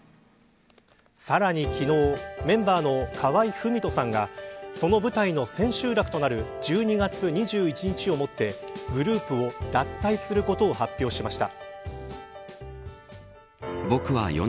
さらに昨日メンバーの河合郁人さんがその舞台の千秋楽となる１２月２１日をもってグループを脱退することを発表しました。